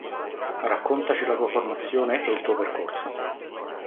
Raccontaci la tua formazione e il tuo percorso.